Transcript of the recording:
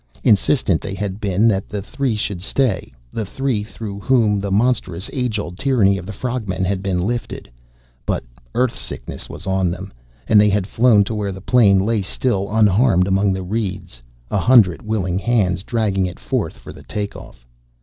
Insistent they had been that the three should stay, the three through whom the monstrous age old tyranny of the frog men had been lifted, but Earth sickness was on them, and they had flown to where the plane lay still unharmed among the reeds, a hundred willing hands dragging it forth for the take off.